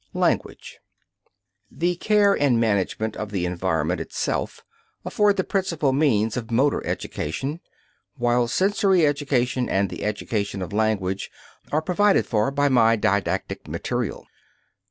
Language. The care and management of the environment itself afford the principal means of motor education, while sensory education and the education of language are provided for by my didactic material.